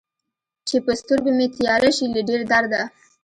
چې په سترګو مې تياره شي له ډېر درده